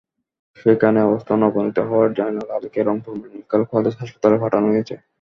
সেখানে অবস্থার অবনতি হওয়ায় জয়নাল আলীকে রংপুর মেডিকেল কলেজ হাসপাতালে পাঠানো হয়েছে।